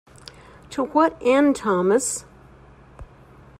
To what end, Thomas?